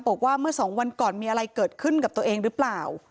บอกว่าเมื่อสองวันก่อนมีอะไรเกิดขึ้นกับตัวเองหรือเปล่า